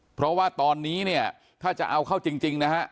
เพราะว่าตอนนี้ถ้าจะเอาเข้าจริงนะครับ